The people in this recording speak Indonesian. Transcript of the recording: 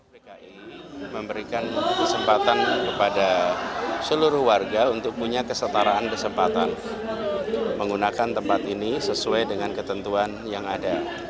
pki memberikan kesempatan kepada seluruh warga untuk punya kesetaraan kesempatan menggunakan tempat ini sesuai dengan ketentuan yang ada